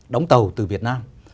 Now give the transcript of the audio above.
đóng tàu từ việt nam